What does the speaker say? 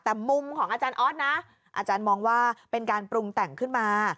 แต่มุมของอาจารย์ออสนะอาจารย์มองว่าเป็นการปรุงแต่งขึ้นมา